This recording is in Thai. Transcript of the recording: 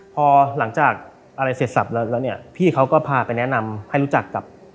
พอหลังจากอะไรเสร็จสับแล้วเนี่ยพี่เขาก็พาไปแนะนำให้รู้จักกับ